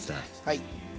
はい。